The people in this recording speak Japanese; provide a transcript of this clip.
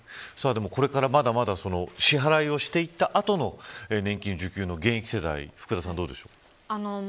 でも、これからまだまだ支払いをしていった後の年金受給の現役世代福田さん、どうでしょう。